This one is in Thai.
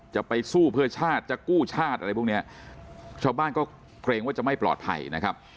จะไปสู้เพื่อชาติจะกู้ชาติอะไรพวกเนี้ยชาวบ้านก็เกรงว่าจะไม่ปลอดภัยนะครับ